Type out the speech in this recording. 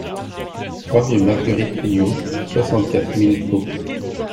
trois rue Marguerite Cugnos, soixante-quatre mille Pau